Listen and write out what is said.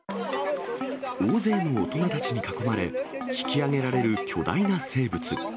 大勢の大人たちに囲まれ、引き上げられる巨大な生物。